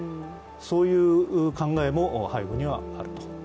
そういう考えも背後にはあると。